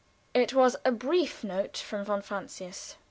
It was a brief note from von Francius.